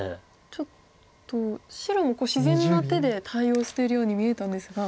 ちょっと白も自然な手で対応してるように見えたんですが。